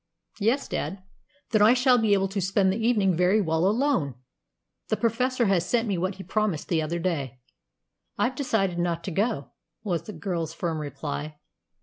"Yes, dad." "Then I shall be able to spend the evening very well alone. The Professor has sent me what he promised the other day." "I've decided not to go," was the girl's firm reply.